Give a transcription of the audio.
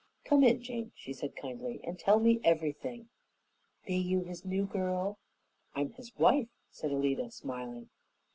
"Come in, Jane," she said kindly, "and tell me everything." "Be you his new girl?" "I'm his wife," said Alida, smiling.